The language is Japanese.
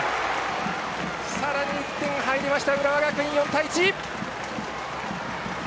さらに１点入りました、浦和学院４対１！